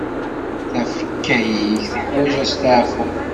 Tafekka-ik teḥwaǧ asteɛfu.